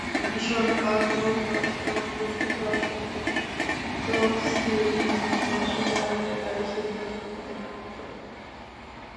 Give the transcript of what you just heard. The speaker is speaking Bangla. কমিশন কাল রোববার সংরক্ষিত আসনের তফসিল ঘোষণার ব্যাপারে সিদ্ধান্ত নিতে পারে।